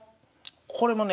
これもね